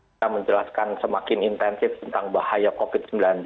kita menjelaskan semakin intensif tentang bahaya covid sembilan belas